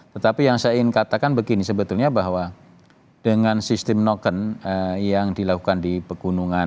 tetapi yang saya ingin katakan begini sebetulnya bahwa dengan sistem noken yang dilakukan di pegunungan